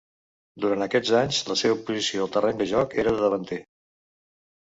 Durant aquests anys la seva posició al terreny de joc era de davanter.